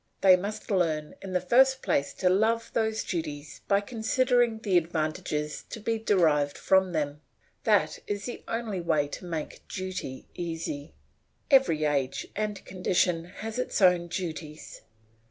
They must learn in the first place to love those duties by considering the advantages to be derived from them that is the only way to make duty easy. Every age and condition has its own duties.